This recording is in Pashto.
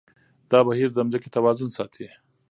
دا بهير د ځمکې توازن ساتي.